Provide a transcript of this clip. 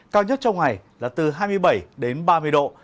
cao nhất trong ngày là từ hai mươi bảy đến ba mươi độ